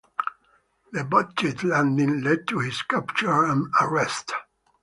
The botched landing led to his capture and arrest.